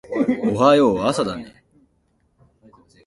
おはよう朝だね